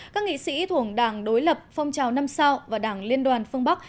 các nghị sĩ thuộc đảng đối lập phong trào năm sao và đảng liên đoàn phương bắc